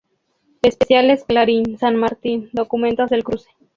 Especiales Clarín: San Martín, "Documentos del Cruce"